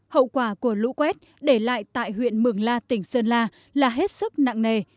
hậu quả của lũ quét để lại tại huyện mường la tỉnh sơn la là hết sức nặng nề